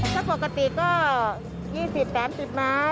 ก็ปกติก็๒๐๘๐ไม้